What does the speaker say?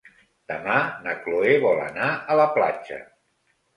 Demà na Chloé vol anar a la platja.